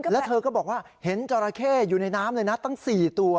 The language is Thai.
แล้วเธอก็บอกว่าเห็นจราเข้อยู่ในน้ำเลยนะตั้ง๔ตัว